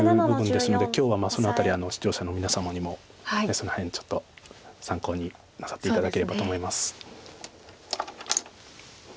今日はその辺り視聴者の皆様にもその辺ちょっと参考になさって頂ければと思います。